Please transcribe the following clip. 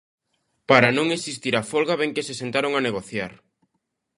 Para non existir a folga, ben que se sentaron a negociar.